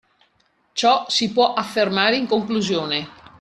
Ciò si può affermare in conclusione.